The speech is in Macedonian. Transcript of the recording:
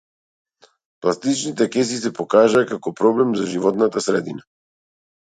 Пластичните кеси се покажаа како проблем за животната средина.